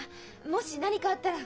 もし何かあったら。